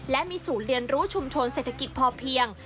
และมีศูนย์เรียนรู้ชุมชนเศรษฐกิจพอเพียง